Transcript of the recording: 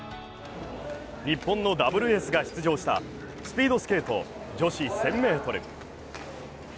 日本のダブルエースが出場したスピードスケート女子１０００ｍ。